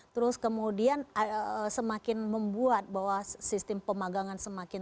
terus kemudian semakin membuat bahwa sistem pemagangan semakin